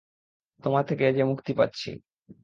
তোমার থেকে যে মুক্তি পাচ্ছি!